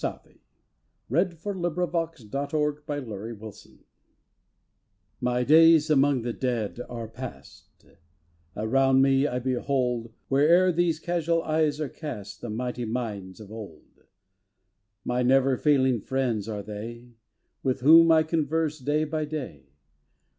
Stanzas Written in His Library 1V/TY days among the Dead are past; *•• Around me I behold, Where'er these casual eyes are cast, The mighty minds of old; My never failing friends are they, With whom I converse day by day.